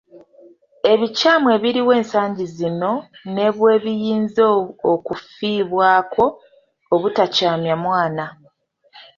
Ebikyamu ebiriwo ensangi zino ne bwe biyinza okufiibwako obutakyamya mwana